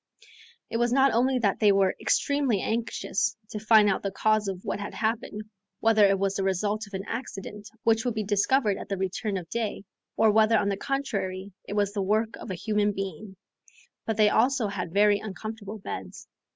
It was not only that they were extremely anxious to find out the cause of what had happened, whether it was the result of an accident which would be discovered at the return of day, or whether on the contrary it was the work of a human being; but they also had very uncomfortable beds.